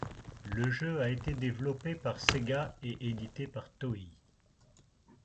Le jeu a été développé par Sega et édité par Toei.